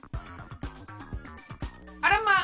あらまっ！